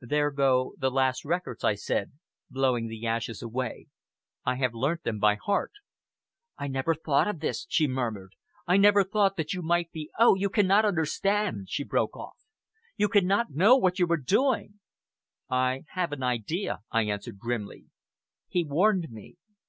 "There go the last records," I said, blowing the ashes away, "I have learnt them by heart." "I never thought of this," she murmured. "I never thought that you might be oh! you cannot understand," she broke off. "You cannot know what you are doing." "I have an idea," I answered grimly. "He warned me."